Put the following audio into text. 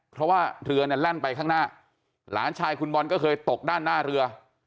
เพราะว่าเรือเนี่ยแล่นไปข้างหน้าหลานชายคุณบอลก็เคยตกด้านหน้าเรือ